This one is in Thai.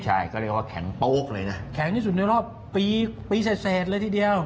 ใช่ก็เรียกว่าแข็งโป๊กเลยนะแข็งที่สุดในรอบปีปีเสร็จเลยทีเดียว